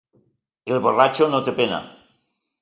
El borratxo no té pena.